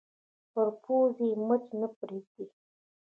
پر پوزې مچ نه پرېږدي